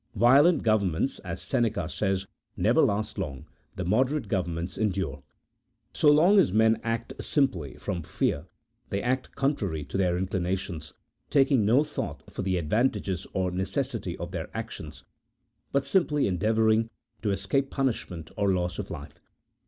Violent governments, as Seneca says, never last long ; the moderate governments endure. So long as men act simply from fear they act contrary to their inclinations, taking no thoug at for the advantages or necessity of their actions, but simply endeavouring to escape punishment or loss of life.